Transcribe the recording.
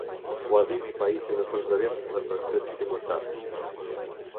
Huazimi i pajisjeve për zërim & përkthim simultan.